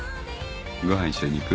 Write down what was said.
ご飯一緒に行く？